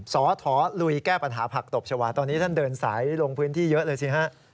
สถลุยแก้ปัญหาผักตบชาวาตอนนี้ท่านเดินสายลงพื้นที่เยอะเลยสิฮะ